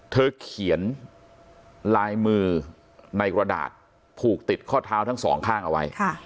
เธอเขียนลายมือในกระดาษผูกติดข้อเท้าทั้งสองข้างเอาไว้